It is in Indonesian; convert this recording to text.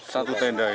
satu tenda ini